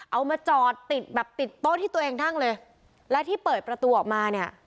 เอามาจอดติดแบบติดโต๊ะที่ตัวเองนั่งเลยและที่เปิดประตูออกมาเนี่ย